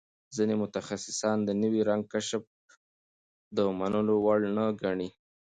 ځینې متخصصان د نوي رنګ کشف د منلو وړ نه ګڼي.